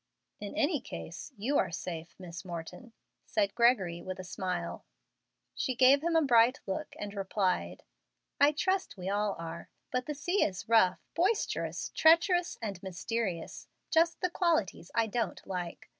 "In any case you are safe, Miss Morton," said Gregory, with a smile. She gave him a bright look and replied, "I trust we all are. But the sea is rough, boisterous, treacherous, and mysterious, just the qualities I don't like.